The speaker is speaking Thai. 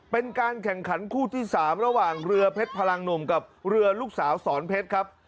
เป็นการแข่งขันคู่ที่๓ระหว่างเรือเพชรพลังหนุ่มกับเรือลูกสาวสอนเพชรครับ